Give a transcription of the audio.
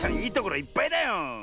いいところいっぱいだよ。